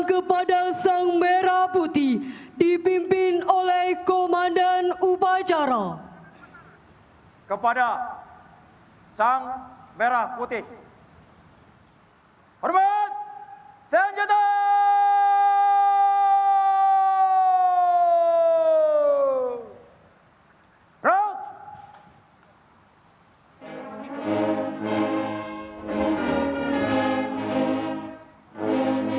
jangan lupa untuk berlangganan dan berlangganan